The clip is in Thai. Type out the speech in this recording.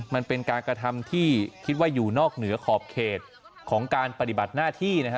มันเป็นการกระทำที่คิดว่าอยู่นอกเหนือขอบเขตของการปฏิบัติหน้าที่นะฮะ